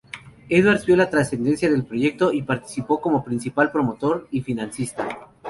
Edwards vio la trascendencia del proyecto y participó como principal promotor y financista.